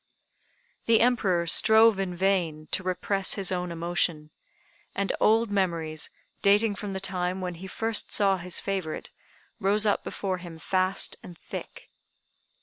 The Emperor strove in vain to repress his own emotion; and old memories, dating from the time when he first saw his favorite, rose up before him fast and thick.